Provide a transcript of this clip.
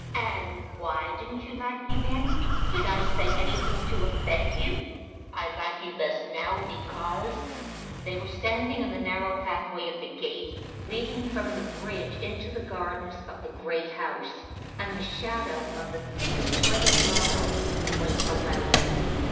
"And why didn't you like me then? Did I say anything to offend you?" "I like you best now, because " They were standing in the narrow pathway of the gate leading from the bridge into the gardens of the Great House, and the shadow of the thick spreading laurels was around them.